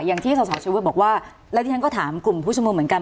แต่อย่างที่สนสอบชวดบอกว่าและดิฉันก็ถามกลุ่มผู้ชมลมเหมือนกัน